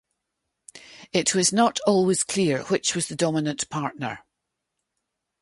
It was not always clear which was the dominant partner.